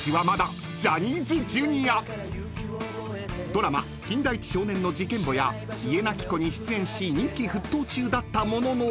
［ドラマ『金田一少年の事件簿』や『家なき子』に出演し人気沸騰中だったものの］